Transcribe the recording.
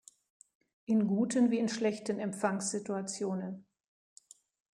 In guten wie in schlechten Empfangssituationen.